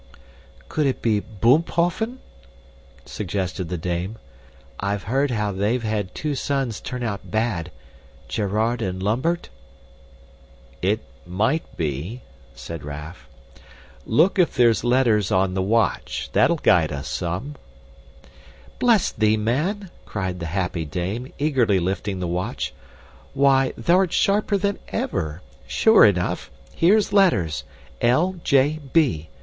"Could it be Boomphoffen?" suggested the dame. "I've heard how they've had two sons turn out bad Gerard and Lambert?" "It might be," said Raff. "Look if there's letters on the watch; that'll guide us some." "Bless thee, man," cried the happy dame, eagerly lifting the watch. "Why, thou'rt sharper than ever! Sure enough. Here's letters! L.J.B.